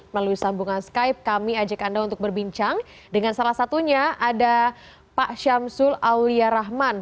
melalui sambungan skype kami ajak anda untuk berbincang dengan salah satunya ada pak syamsul aulia rahman